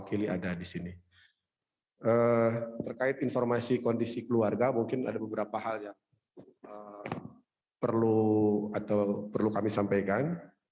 terkait informasi kondisi keluarga mungkin ada beberapa hal yang perlu atau perlu kami sampaikan